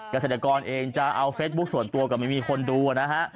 เกษตรกรเองจะเอาเฟซบุ๊คส่วนตัวก็ไม่มีคนดูนะฮะ